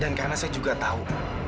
karena saya juga tahu